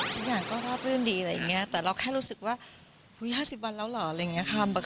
ทุกอย่างก็ราบรื่นดีอะไรอย่างนี้แต่เราแค่รู้สึกว่า๕๐วันแล้วเหรออะไรอย่างนี้ค่ะ